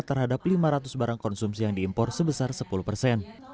terhadap lima ratus barang konsumsi yang diimpor sebesar sepuluh persen